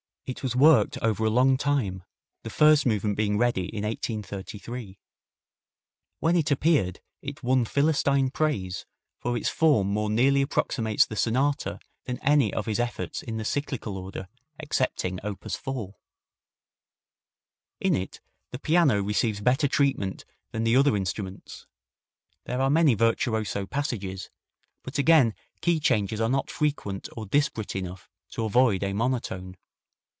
It was worked over a long time, the first movement being ready in 1833. When it appeared it won philistine praise, for its form more nearly approximates the sonata than any of his efforts in the cyclical order, excepting op. 4. In it the piano receives better treatment than the other instruments; there are many virtuoso passages, but again key changes are not frequent or disparate enough to avoid a monotone.